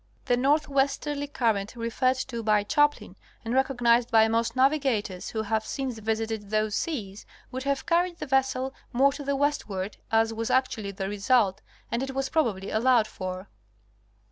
The northwesterly current referred to by Chaplin and rec ognized by most navigators who have since visited those seas, would have carried the vessel more to the westward, as was actually the result, and it was probably allowed for.